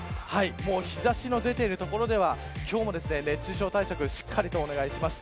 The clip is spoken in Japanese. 日差しが出ている所では今日も熱中症対策しっかりとお願いします。